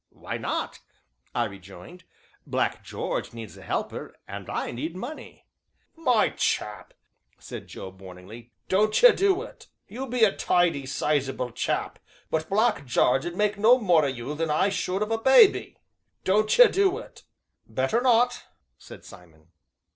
"Why not?" I rejoined. "Black George needs a helper, and I need money." "My chap," said Job warningly, "don't ye do it. You be a tidy, sizable chap, but Black Jarge ud mak' no more o' you than I should of a babby don't ye do it." "Better not," said Simon.